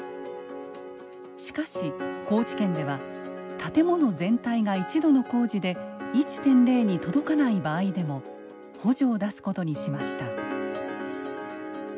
しかし高知県では建物全体が一度の工事で１．０に届かない場合でも補助を出すことにしました。